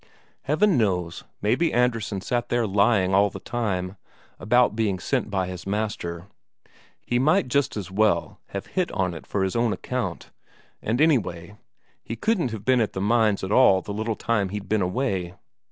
Heaven knows, maybe Andresen sat there lying all the time, about being sent by his master; he might just as well have hit on it for his own account and anyway, he couldn't have been at the mines at all in the little time he'd been away.